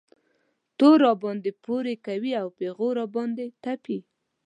تور راباندې پورې کوي او پېغور را باندې تپي.